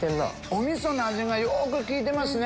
おみその味がよく利いてますね。